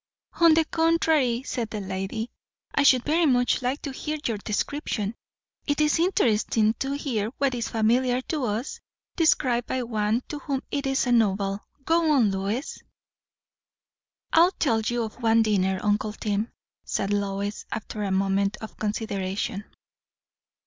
"On the contrary!" said that lady. "I should very much like to hear your description. It is interesting to hear what is familiar to us described by one to whom it is novel. Go on, Lois." "I'll tell you of one dinner, uncle Tim," said Lois, after a moment of consideration.